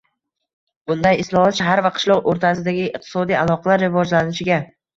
Bunday islohot shahar va qishloq o‘rtasidagi iqtisodiy aloqalar rivojlanishiga